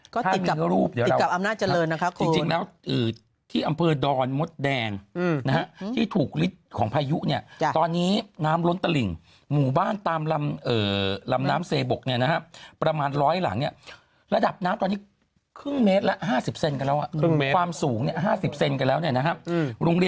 ก็ติดกับอำนาจเจริญนะคะคุณ